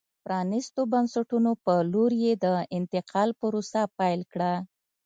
پرانیستو بنسټونو په لور یې د انتقال پروسه پیل کړه.